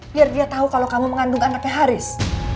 biar dia tahu kalau kamu mengandung anaknya haris